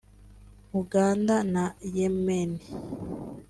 Uganda na Yemen